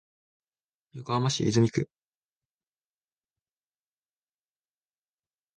横浜市泉区